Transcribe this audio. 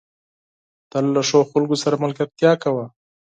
تل له ښو خلکو سره ملګرتيا کوه.